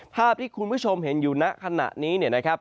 ภาพที่คุณผู้ชมเห็นอยู่ณขณะนี้เนี่ยนะครับ